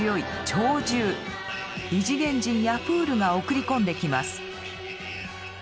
異次元人ヤプールが送り込んできます。